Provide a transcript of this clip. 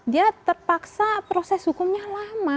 dia terpaksa proses hukumnya lama